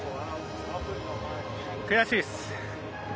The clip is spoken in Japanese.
悔しいです。